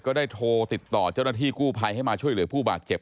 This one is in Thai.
ก็ได้โทรติดต่อเจ้าหน้าที่กู้ภัยให้มาช่วยเหลือผู้บาดเจ็บ